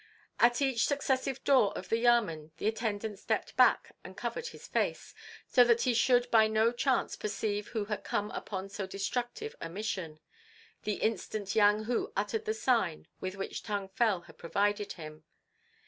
At each successive door of the Yamen the attendant stepped back and covered his face, so that he should by no chance perceive who had come upon so destructive a mission, the instant Yang Hu uttered the sign with which Tung Fel had provided him.